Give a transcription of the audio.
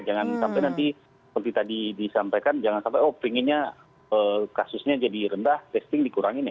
jangan sampai nanti seperti tadi disampaikan jangan sampai oh pengennya kasusnya jadi rendah testing dikurangin ya